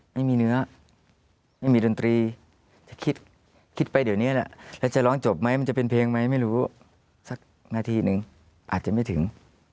ไม่มีเนื้อไม่มีดนตรีจะคิดคิดไปเดี๋ยวนี้แหละแล้วจะร้องจบไหมมันจะเป็นเพลงไหมไม่รู้สักนาทีนึงอาจจะไม่ถึง